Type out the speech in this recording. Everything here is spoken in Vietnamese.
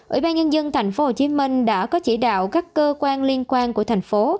ủy ban nhân dân tp hcm đã có chỉ đạo các cơ quan liên quan của thành phố